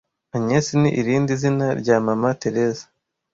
Agnes ni irindi zina rya Mama Theresa